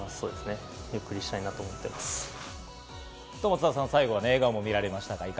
松田さん、最後は笑顔も見られましたが。